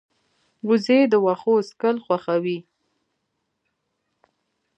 وزې د واښو څکل خوښوي